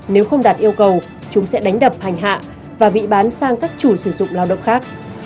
nếu không đạt yêu cầu chúng sẽ đánh đập hành hạ và bị bán sang các chủ sử dụng lao động khác